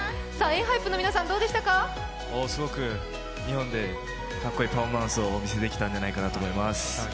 すごく日本でかっこいいパフォーマンスをお見せできたんじゃないかと思います。